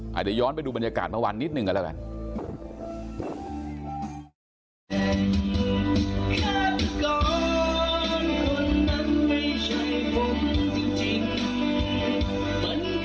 เดี๋ยวย้อนไปดูบรรยากาศเมื่อวันนิดหนึ่งกันแล้วกัน